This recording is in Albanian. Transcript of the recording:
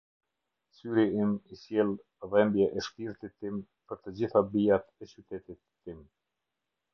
Syri im i sjell dhembje shpirtit tim për të gjitha bijat e qytetit tim.